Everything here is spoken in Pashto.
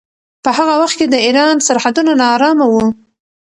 په هغه وخت کې د ایران سرحدونه ناارامه وو.